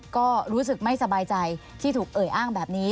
ก็รู้สึกไม่สบายใจที่ถูกเอ่ยอ้างแบบนี้